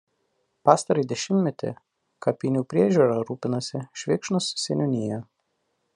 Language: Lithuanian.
Pastarąjį dvidešimtmetį kapinių priežiūra rūpinasi Švėkšnos seniūnija.